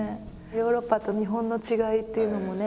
ヨーロッパと日本の違いというのもね